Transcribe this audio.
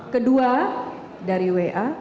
kedua dari wa